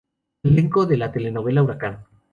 Elenco de la telenovela Huracán.